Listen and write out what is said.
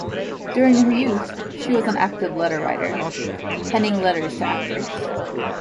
During her youth, she was an active letter-writer, penning letters to actors.